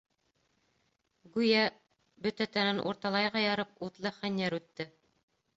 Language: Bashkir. Гүйә, бөтә тәнен урталайға ярып утлы хәнйәр үтте.